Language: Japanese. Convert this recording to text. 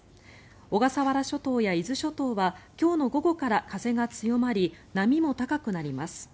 小笠原諸島や伊豆諸島は今日の午後から風が強まり波も高くなります。